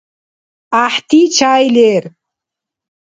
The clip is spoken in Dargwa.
ГӀяхӀти чай лер.